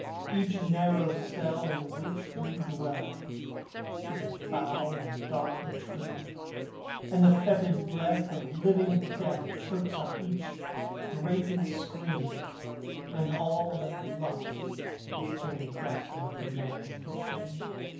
Each narrow cell in which we dwell Is a foul and dark latrine, And the fetid breath of living Death Chokes up each grated screen, And all, but Lust, is turned to dust In Humanity's machine.